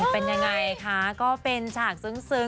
เป็นยังไงคะก็เป็นฉากซึ้ง